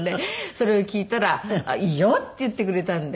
それを聞いたら「いいよ」って言ってくれたんで。